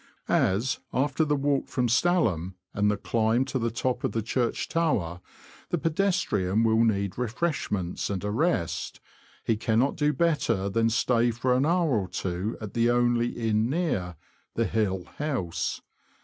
As, after the walk from Stalham, and the climb to the top of the church tower, the pedestrian will need refreshments and a rest, he cannot do better than stay for an hour or two at the only inn near — the Hill House.